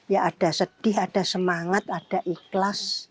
ya ada sedih ada semangat ada ikhlas